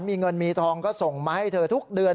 มีเงินมีทองก็ส่งมาให้เธอทุกเดือน